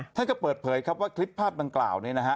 ท่านก็เปิดเผยครับว่าคลิปภาพดังกล่าวนี้นะฮะ